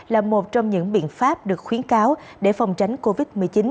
là một trong những biện pháp được khuyến cáo để phòng tránh covid một mươi chín